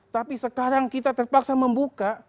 tapi sekarang kita terpaksa membuka